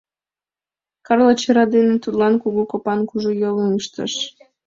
Карло чыра дене тудлан кугу копан кужу йолым ыштыш.